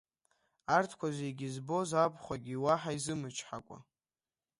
Арҭқәа зегьы збоз абхәагьы уаҳа изымчҳакәа…